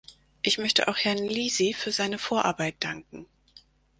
Ich möchte auch Herrn Lisi für seine Vorarbeit danken.